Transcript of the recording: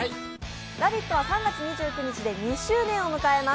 「ラヴィット！」は３月２９日で２周年を迎えます。